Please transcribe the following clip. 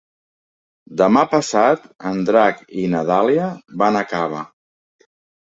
Demà passat en Drac i na Dàlia van a Cava.